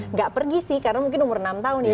nggak pergi sih karena mungkin umur enam tahun ya